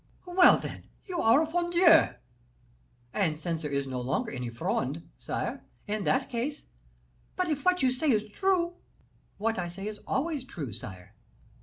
"Well, then you are a Frondeur." "And since there is no longer any Fronde, sire, in that case " "But if what you say is true " "What I say is always true, sire."